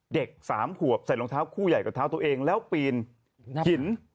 เด็กสามขวบใส่รองเท้าคู่ใหญ่กับเท้าตัวเองแล้วปีนหิน